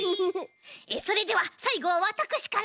それではさいごはわたくしから。